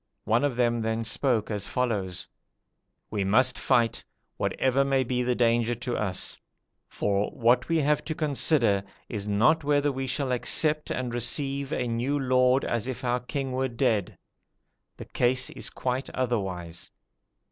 One of them then spoke as follows: 'We must fight, whatever may be the danger to us; for what we have to consider is not whether we shall accept and receive a new lord as if our king were dead: the case is quite otherwise.